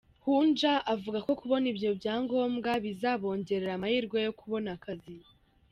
Hunja avuga ko kubona ibyo byangombwa bizabongerera amahirwe yo kubona akazi.